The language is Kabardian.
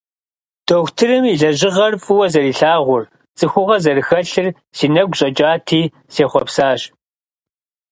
Дохутырым и лэжьыгъэр фӀыуэ зэрилъагъур, цӀыхугъэ зэрыхэлъыр си нэгу щӀэкӀати, сехъуэпсащ.